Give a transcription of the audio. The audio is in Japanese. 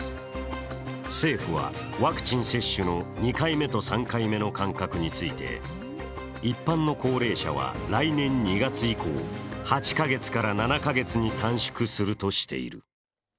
政府は、ワクチン接種の２回目と３回目の間隔について一般の高齢者は来年２月以降、８カ月から７カ月に短縮するとしている。